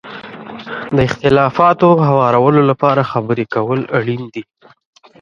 د اختلافاتو هوارولو لپاره خبرې کول اړین دي.